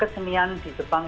kesenian di jepang itu